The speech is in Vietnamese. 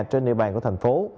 trên địa bàn của thành phố